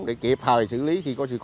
để kịp thời xử lý khi có sự cố